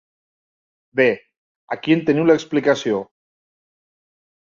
Bé, aquí en teniu l'explicació.